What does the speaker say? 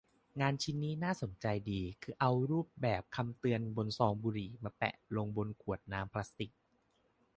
งานชิ้นนี้น่าสนใจดี คือเอารูปแบบของคำเตือนบนซองบุหรี่มาแปะลงบนขวดน้ำพลาสติก